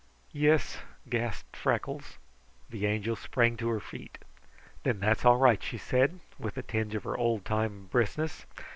"Yis," gasped Freckles. The Angel sprang to her feet. "Then that's all right," she said, with a tinge of her old time briskness.